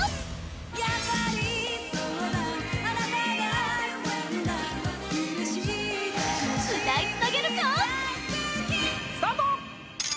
やっぱりそうだあなただったんだうれしい！スタート！